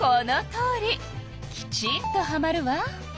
きちんとはまるわ。